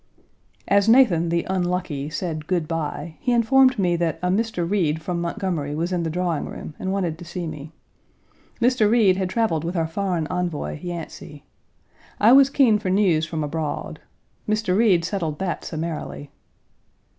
As Nathan, the unlucky, said good by, he informed me that a Mr. Reed from Montgomery was in the drawingroom and wanted to see me. Mr. Reed had traveled with our foreign envoy, Yancey. I was keen for news from abroad. Mr. Reed settled that summarily.